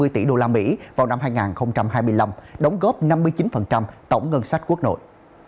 năm mươi tỷ usd vào năm hai nghìn hai mươi năm đóng góp năm mươi chín tổng ngân sách quốc nội